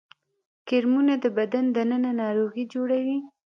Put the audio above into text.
کرمونه د بدن دننه ناروغي جوړوي